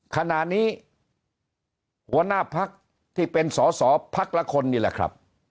ขณะนี้หัวหน้าพักที่เป็นสอสอพักละคนนี่แหละครับ